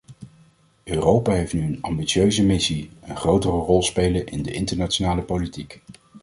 Europa heeft nu een ambitieuze missie: een grotere rol spelen in de internationale politiek.